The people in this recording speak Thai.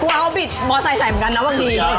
กูเอาบิตบอสไซส์ใส่เหมือนกันนะบางที